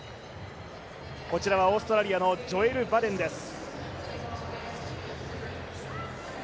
こちらはオーストラリアのジョエル・バデンです。